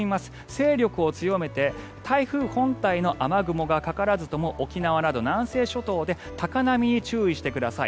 勢力を強めて台風本体の雨雲がかからずとも沖縄など南西諸島で高波に注意してください。